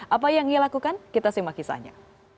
apa yang ia lakukan kita simak kisahnya